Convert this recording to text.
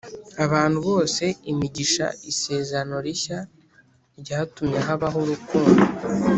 abantu bose imigisha Isezerano rishya ryatumye habaho urukundo